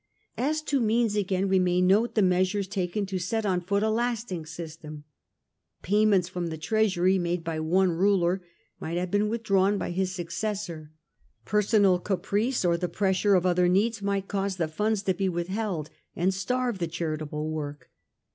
As to means, again, we may note the measures taken to set on foot a lasting system. Payments from the treasury made by one ruler might have been withdrawn by his successor ; personal caprice or the pressure ol other needs might cause the funds to be withheld, and starve the charitable work.